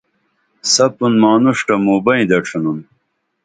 سپُن مانوݜ تہ موں بئیں ڇینُن